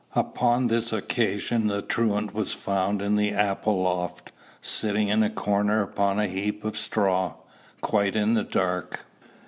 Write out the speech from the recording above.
Upon this occasion the truant was found in the apple loft, sitting in a corner upon a heap of straw, quite in the dark.